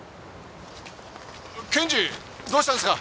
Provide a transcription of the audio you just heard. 検事どうしたんですか？